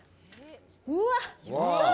うわっ！